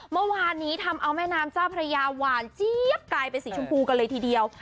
เมื่อวานนี้ทำเอาแม่น้ำเจ้าพระยาหวานเจี๊ยบกลายเป็นสีชมพูกันเลยทีเดียว